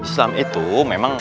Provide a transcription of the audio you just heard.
selama itu memang